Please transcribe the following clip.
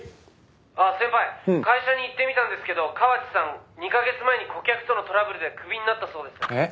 「あっ先輩会社に行ってみたんですけど河内さん２カ月前に顧客とのトラブルでクビになったそうです」えっ？